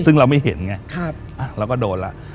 ซึ่งเราไม่เห็นไงเราก็โดนแล้ว